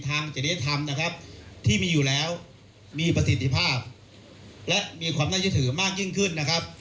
ทางจริยธรรมที่มีอยู่แล้วมีประสิทธิภาพและมีความน่ายืดถือมากยิ่งขึ้น